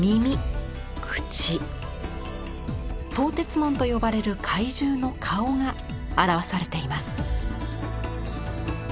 饕餮文と呼ばれる怪獣の顔が表されています。